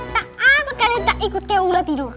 tak apa kalian tak ikut ke aula tidur